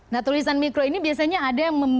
nah tulisan mikro ini biasanya ada yang